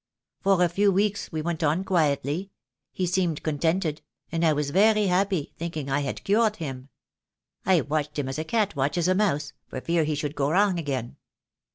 For a few weeks we went on quietly — he seemed contented, and I was very happy, thinking I had cured him. I watched him as a cat watches a mouse, for fear he should go wrong again.